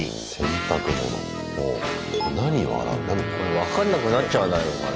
分かんなくなっちゃわないのかな？